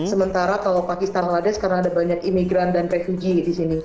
sementara kalau pakistan ladesh karena ada banyak imigran dan refuji di sini